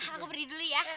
aku pergi dulu ya